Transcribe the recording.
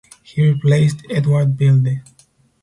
He replaced Eduard Vilde.